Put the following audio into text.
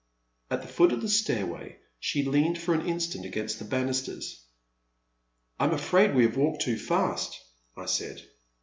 At the foot of the stairway she leaned for an instant against the banisters. '' I am afraid we have walked too fast,'' I said.